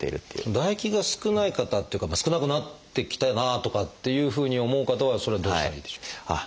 唾液が少ない方っていうか少なくなってきたなとかっていうふうに思う方はそれはどうしたらいいでしょう？